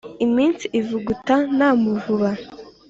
Iminsi ivuguta nta muvuba.